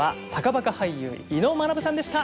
バカ俳優猪野学さんでした。